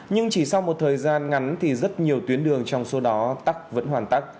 nhưng chỉ sau một thời gian ngắn thì rất nhiều tuyến đường trong số đó tắt vẫn hoàn tắc